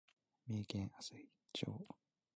三重県朝日町